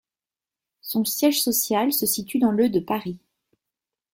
Son siège social se situe dans le de Paris.